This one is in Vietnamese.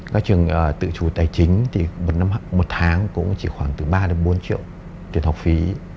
các trường tự chủ tài chính thì một tháng cũng chỉ khoảng từ ba đến bốn triệu tiền học phí